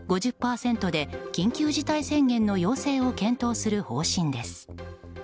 ５０％で緊急事態宣言の要請を検討する方針です。